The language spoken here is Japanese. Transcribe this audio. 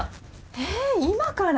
えっ今から？